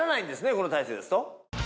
この体勢ですと。